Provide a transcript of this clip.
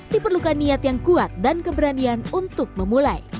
diperlukan niat yang kuat dan keberanian untuk memulai